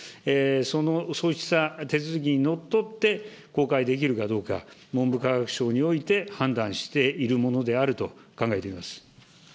そうした手続きにのっとって、公開できるかどうか、文部科学省において判断しているものであると考えています。